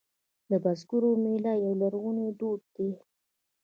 د بزګر میله یو لرغونی دود دی